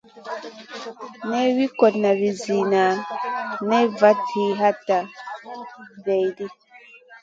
Nen wi kotna vi zida nen vat zi hatna vaidi.